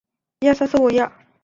剑突是一骨性软骨结构。